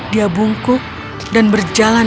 dia bungkuk dan berjalan